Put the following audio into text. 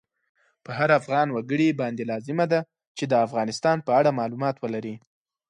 په هر افغان وګړی باندی لازمه ده چی د افغانستان په اړه مالومات ولری